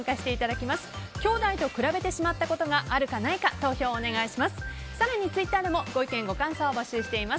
きょうだいと比べてしまったことがあるか、ないか投票をお願いします。